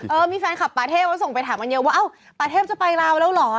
มีแฟนคลับปาเทพแล้วส่งไปถามกันเยอะว่าอ้าวปาเทพจะไปลาวแล้วเหรอ